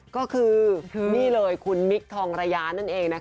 ก็คือนี่เลยคุณมิคทองระยานั่นเอง